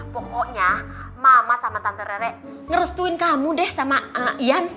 pokoknya mama sama tante nenek ngerestuin kamu deh sama ian